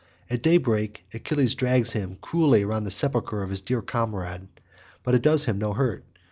At daybreak Achilles drags him cruelly round the sepulchre of his dear comrade, but it does him no hurt.